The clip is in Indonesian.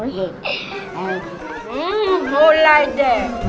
hmm mulai deh